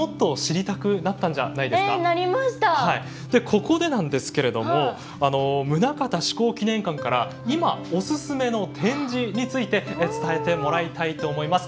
ここでなんですけれども棟方志功記念館から今お薦めの展示について伝えてもらいたいと思います。